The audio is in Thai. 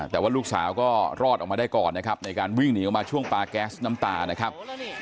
แต่ว่าลูกสาวก็รอดออกมาได้ก่อนนะครับในการวิ่งหนีออกมาช่วงปลาแก๊สน้ำตานะครับ